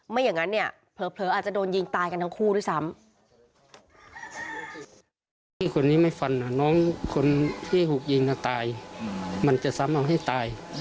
อย่างนั้นเนี่ยเผลออาจจะโดนยิงตายกันทั้งคู่ด้วยซ้ำ